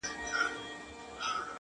ځکه نه خېژي په تله برابر د جهان یاره ،